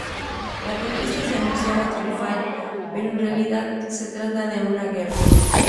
La conquista se anunciaba triunfal, pero en realidad se trata de una guerra.